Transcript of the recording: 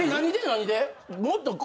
何で？